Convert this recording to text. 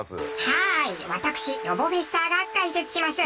はい私ロボフェッサーが解説します。